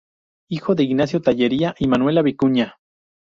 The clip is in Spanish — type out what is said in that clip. Hijo de Ignacio Tellería y de Manuela Vicuña.